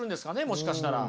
もしかしたら。